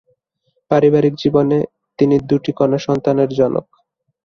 পারিবারিক জীবনে তিনি দুটি কন্যা সন্তানের জনক।